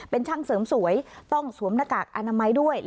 เป็นช่างเสริมสวยต้องสวมหน้ากากอนามัยด้วย